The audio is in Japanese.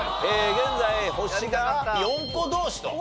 現在星が４個同士と。